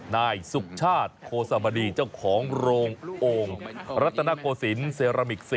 นายสุชาติโคสมดีเจ้าของโรงโอ่งรัตนโกศิลป์เซรามิก๔